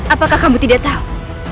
apakah kamu tidak tahu